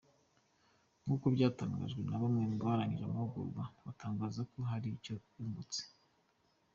Nk’uko byatangajwe na bamwe mu barangije amahugurwa batangaza ko hari icyo bungutse.